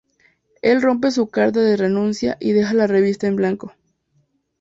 Él rompe su carta de renuncia y deja la revista en el banco.